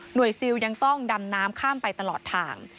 ซิลยังต้องดำน้ำข้ามไปตลอดทาง